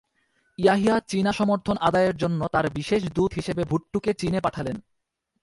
ইয়াহিয়া চীনা সমর্থন আদায়ের জন্য তাঁর বিশেষ দূত হিসেবে ভুট্টোকে চীনে পাঠালেন।